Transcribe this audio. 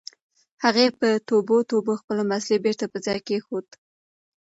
هغې په توبو توبو خپله مصلّی بېرته په ځای کېښوده.